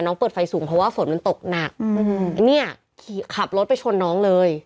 น้องเปิดไฟสูงเพราะว่าฝนมันตกหนักขับรถไปชนน้องเลย